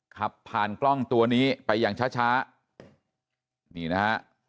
ขับผ่านกล้องตัวนี้ไปอย่างช้าช้านี่นะฮะ